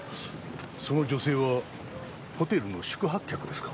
その女性はホテルの宿泊客ですか？